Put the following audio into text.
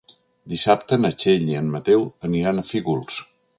Dissabte na Txell i en Mateu aniran a Fígols.